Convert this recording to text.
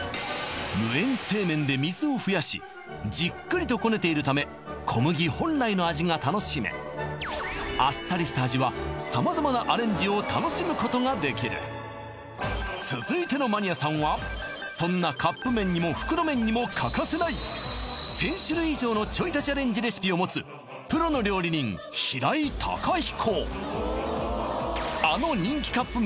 無塩製麺で水を増やしじっくりとこねているため小麦本来の味が楽しめあっさりした味は様々なアレンジを楽しむことができる続いてのマニアさんはそんなカップ麺にも袋麺にも欠かせない１０００種類以上のちょい足しアレンジレシピを持つプロの料理人平井孝彦